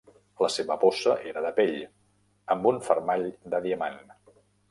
La seva bossa era de pell, amb un fermall de diamant.